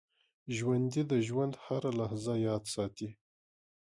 ژوندي د ژوند هره لحظه یاد ساتي